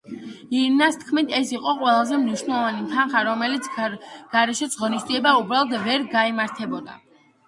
ირინას თქმით, ეს იყო ყველაზე მნიშვნელოვანი თანხა, რომლის გარეშეც ღონისძიება უბრალოდ ვერ გაიმართებოდა.